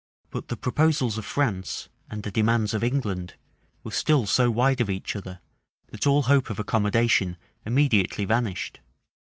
But the proposals of France, and the demands of England, were still so wide of each other, that all hope of accommodation immediately vanished.